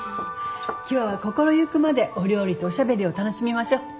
今日は心行くまでお料理とおしゃべりを楽しみましょう。